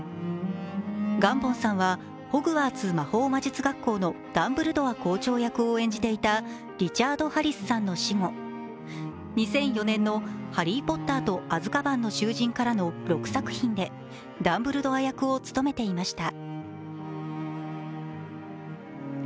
ガンボンさんはホグワーツ魔法魔術学校のダンブルドア校長役を演じていたリチャード・ハリスさんの死後、２００４年の「ハリー・ポッターとアズカバンの囚人」からの６作品でダンブルドア役を務めていました。